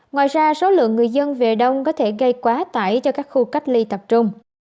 ngoài ra số lượng người dân về đông có thể gây quá tải cho các khu cách ly tập trung